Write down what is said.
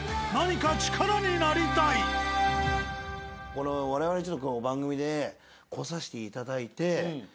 そして我々ちょっと今日番組で来さしていただいて。